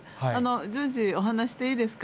順次、お話していいですか。